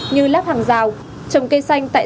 như lắp hàng rào trồng cây xanh tại